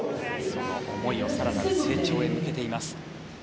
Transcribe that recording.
その思いを更なる成長へ向けています。